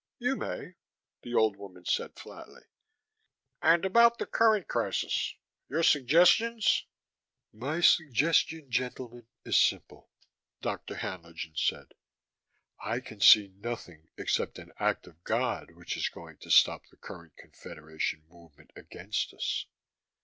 "You may," the old woman said flatly. "And about the current crisis your suggestions " "My suggestion, gentlemen, is simple," Dr. Haenlingen said. "I can see nothing except an Act of God which is going to stop the current Confederation movement against us.